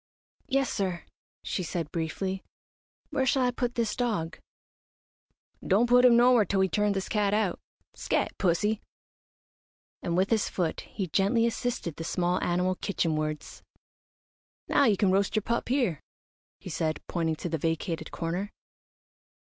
"Yes sir," she said, briefly. "Where shall I put this dog?" "Don't put him nowhere till we turn this cat out. Scat, pussy!" and with his foot he gently assisted the small animal kitchenwards. "Now you can roast your pup here," he said, pointing to the vacated corner.